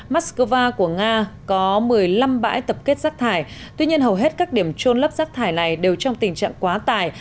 moscow của nga có một mươi năm bãi tập kết rác thải tuy nhiên hầu hết các điểm trôn lấp rác thải này đều trong tình trạng quá tải